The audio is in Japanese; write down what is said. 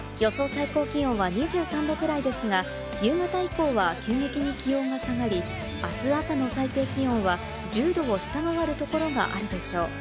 最高気温は２３度くらいですが、夕方以降は急激に気温が下がり、あす朝の最低気温は１０℃を下回るところがあるでしょう。